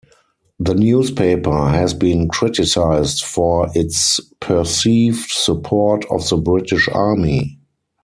The newspaper has been criticized for its perceived support of the British Army.